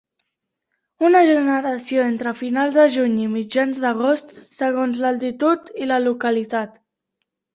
Una generació entre finals de juny i mitjans d'agost, segons l'altitud i la localitat.